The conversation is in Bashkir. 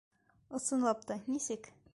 Ысынлап та, нисек?